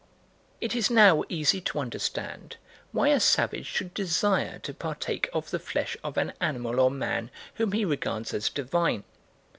It is now easy to understand why a savage should desire to partake of the flesh of an animal or man whom he regards as divine.